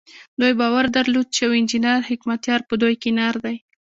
دوی باور درلود چې يو انجنير حکمتیار په دوی کې نر دی.